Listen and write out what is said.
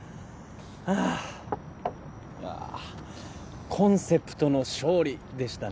あぁコンセプトの勝利でしたね。